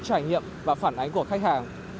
trải nghiệm và phản ánh của khách hàng